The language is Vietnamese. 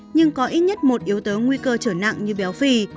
nhưng có ít nhất một yếu tố nguy cơ trở nặng như béo phì